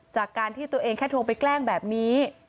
จากการที่ตัวเองแค่โทรไปแกล้งแบบนี้